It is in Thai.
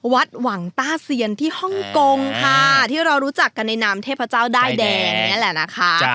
วัดหวังต้าเซียนที่ฮ่องกงค่ะที่เรารู้จักกันในนามเทพเจ้าด้ายแดงนี่แหละนะคะ